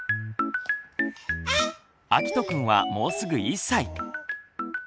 あきとくんはもうすぐ１歳。